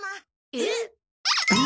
えっ？